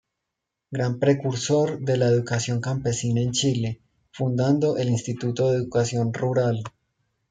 Gran precursor de la educación campesina en Chile, fundando el Instituto de Educación Rural.